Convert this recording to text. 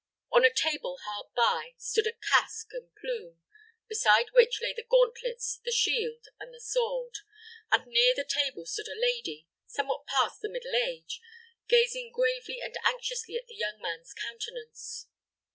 On a table hard by stood a casque and plume, beside which lay the gauntlets, the shield, and the sword; and near the table stood a lady, somewhat past the middle age, gazing gravely and anxiously at the young man's countenance.